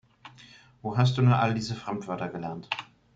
Wo hast du nur all diese Fremdwörter gelernt?